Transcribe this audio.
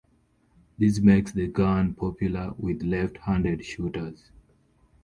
This makes the gun popular with left-handed shooters.